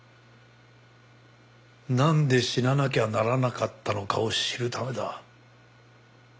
なんで死ななきゃならなかったのかを知るためだ。